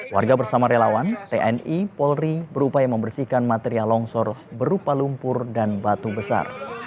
warga bersama relawan tni polri berupaya membersihkan material longsor berupa lumpur dan batu besar